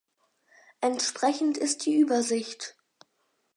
Entsprechend ist die Übersicht.